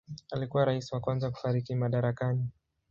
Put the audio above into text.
Alikuwa rais wa kwanza kufariki madarakani.